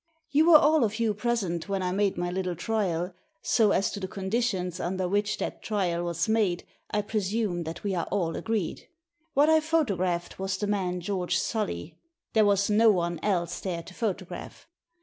" You were all of you present when I made my little trial, so as to the conditions under which that trial was made I presume that we are all agreed. What I photographed was the man George Solly. There was no one else there to photograph.